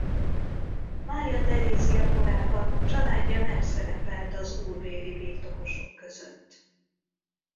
Mária Terézia korában családja nem szerepelt az úrbéri birtokosok között.